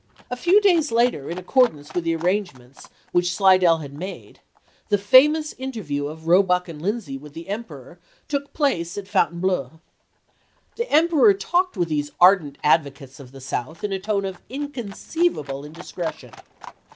A few days later, in accordance with the arrangements which Slidell had made, the famous interview of Roebuck and Lindsay with the Emperor took place at Fontaine bleau. The Emperor talked with these ardent advocates of the South in a tone of inconceivable indiscretion.